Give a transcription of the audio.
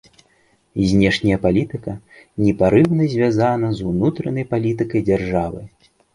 Знешняя палітыка непарыўна звязана з унутранай палітыкай дзяржавы.